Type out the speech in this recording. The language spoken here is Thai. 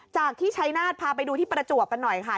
จากที่ชัยนาฏพาไปดูที่ประจวบกันหน่อยค่ะ